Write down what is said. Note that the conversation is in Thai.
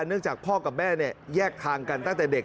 เนื่องจากพ่อกับแม่แยกทางกันตั้งแต่เด็ก